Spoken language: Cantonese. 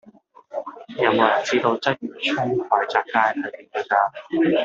有無人知道鰂魚涌海澤街係點去㗎